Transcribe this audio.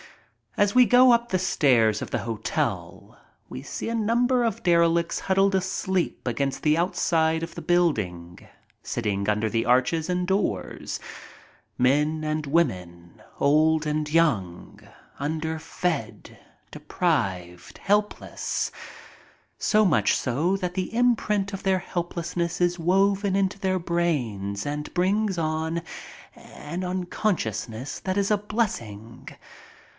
As we go up the steps of the hotel we see a number of derelicts huddled asleep against the outside of the building, sitting under the arches and doors, men and women, old and young, underfed, deprived, helpless, so much so that the imprint of helplessness is woven into their brain and brings on an unconsciousness that is a blessing.